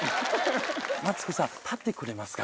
マツコさん立ってくれますか？